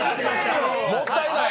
もったいない。